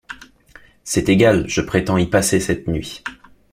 C’est égal, je prétends y passer cette nuit.